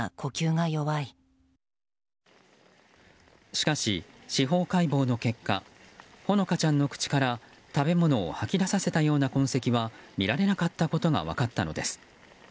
しかし、司法解剖の結果ほのかちゃんの口から食べ物を吐き出させたような痕跡は見られなかったことが分かったのです。